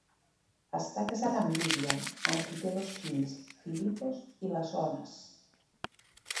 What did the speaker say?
Està casat amb Vivian, amb qui té dos fills: Filippos i Iasonas.